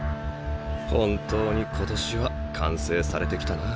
本当に今年は完成されてきたな。